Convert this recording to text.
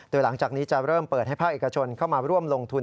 โดยหลังจากนี้จะเริ่มเปิดให้ภาคเอกชนเข้ามาร่วมลงทุน